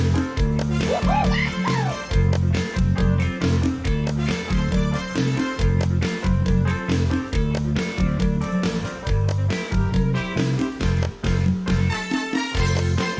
สวัสดีค่ะ